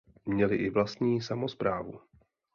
Měli i vlastní samosprávu.